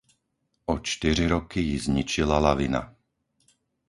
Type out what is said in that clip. O čtyři roky ji zničila lavina.